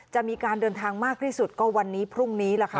จะมีการเดินทางมากที่สุดก็วันนี้พรุ่งนี้แหละค่ะ